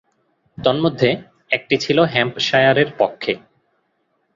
তন্মধ্যে, একটি ছিল হ্যাম্পশায়ারের পক্ষে।